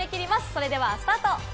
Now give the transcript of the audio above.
それではスタート。